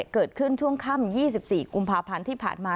เกิดขึ้นช่วงค่ำ๒๔กุมภาพันธ์ที่ผ่านมา